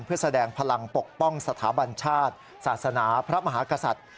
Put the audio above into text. เพื่อแสดงพลังปกป้องสถาบันชาติศาสนาพระมหากษัตริย์